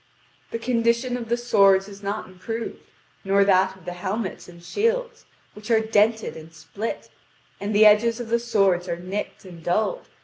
The condition of the swords is not improved, nor that of the helmets and shields, which are dented and split; and the edges of the swords are nicked and dulled.